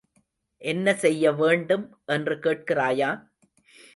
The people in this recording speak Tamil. என்ன செய்ய வேண்டும் என்று கேட்கிறாயா?